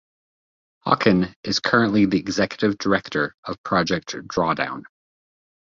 Hawken is currently the Executive Director of Project Drawdown.